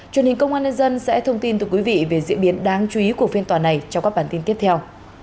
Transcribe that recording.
truyền hình công an nhân dân sẽ thông tin từ quý vị về diễn biến đáng chú ý của phiên tòa này trong các bản tin tiếp theo